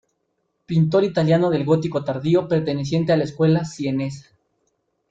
Pintor italiano del gótico tardío, perteneciente a la escuela sienesa.